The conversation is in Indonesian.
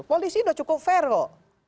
polisi udah cukup fair loh